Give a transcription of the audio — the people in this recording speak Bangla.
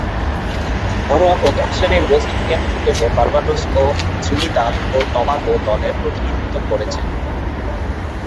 ঘরোয়া প্রথম-শ্রেণীর ওয়েস্ট ইন্ডিয়ান ক্রিকেটে বার্বাডোস এবং ত্রিনিদাদ ও টোবাগো দলের প্রতিনিধিত্ব করেছেন।